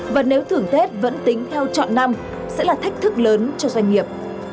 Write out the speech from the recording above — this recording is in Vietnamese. và nếu thưởng tết vẫn tính theo chọn năm sẽ là thách thức lớn cho doanh nghiệp